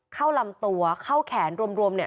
เข้าลำตัวเข้าแขนรวม